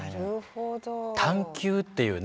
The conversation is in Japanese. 「探究」っていうね